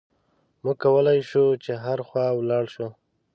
موږ کولای شو چې هره خوا ولاړ شو.